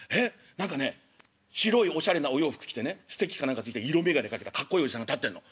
何かね白いおしゃれなお洋服着てねステッキか何かついて色眼鏡かけたかっこいいおじさんが立ってんの。